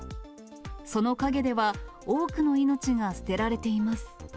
その陰では、多くの命が捨てられています。